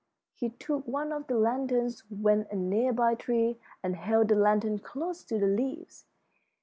He took one of the lanterns, went to a near by tree, and held the lantern close to the leaves.